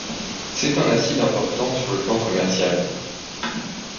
C'est un acide important sur le plan commercial.